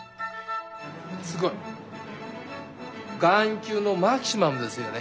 すごい！眼球のマキシマムですよね。